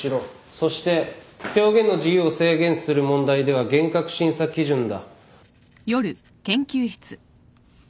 そして表現の自由を制限する問題では厳格審査基準だ。